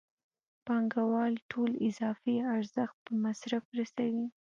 پانګوال ټول اضافي ارزښت په مصرف رسوي